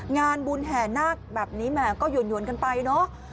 งานบุญแห่นาคแบบนี้แหมก็หยวนกันไปเนอะ